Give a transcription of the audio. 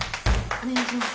お願いします。